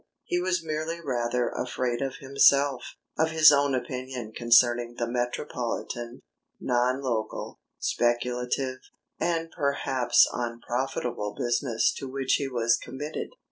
He was merely rather afraid of himself, of his own opinion concerning the metropolitan, non local, speculative, and perhaps unprofitable business to which he was committed.